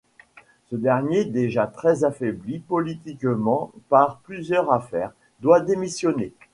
Ce dernier, déjà très affaibli politiquement par plusieurs affaires, doit démissionner.